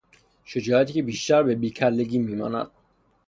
شجاعتی که بیشتر به بیکلگی میماند